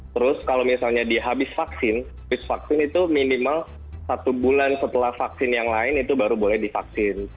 terus kalau misalnya dihabis vaksin with vaksin itu minimal satu bulan setelah vaksin yang lain itu baru boleh divaksin